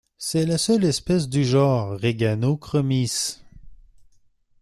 C'est la seule espèce du genre Reganochromis.